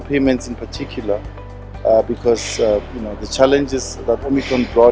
pembayaran digital terutama karena tantangan yang umkm telah bawa